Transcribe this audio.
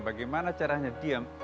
bagaimana caranya diam